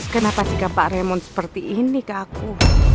kenapa sikap pak remon seperti ini ke aku